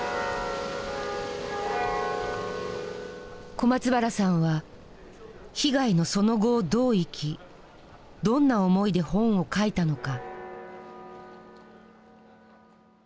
小松原さんは被害の「その後」をどう生きどんな思いで本を書いたのか。